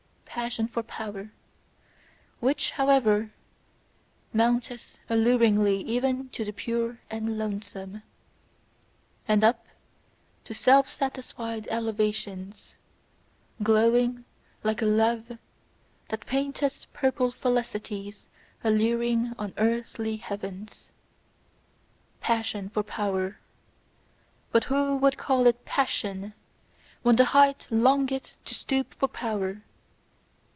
Passion for power: which, however, mounteth alluringly even to the pure and lonesome, and up to self satisfied elevations, glowing like a love that painteth purple felicities alluringly on earthly heavens. Passion for power: but who would call it PASSION, when the height longeth to stoop for power!